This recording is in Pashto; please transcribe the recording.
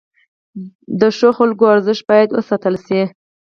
د ښو خلکو ارزښت باید وساتل شي.